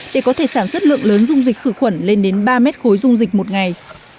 để có thể sản xuất lượng lớn dung dịch khử khuẩn lên đến ba mét khối dung dịch một ngày